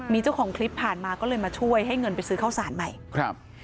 มีเจ้าของคลิปผ่านมาก็เลยมาช่วยให้เงินไปซื้อข้าวสารใหม่ครับ